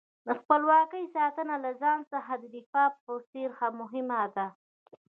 د خپلواکۍ ساتنه له ځان څخه د دفاع په څېر مهمه ده.